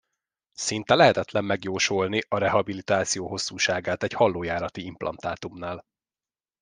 Szinte lehetetlen megjósolni a rehabilitáció hosszúságát egy hallójárati implantátumnál.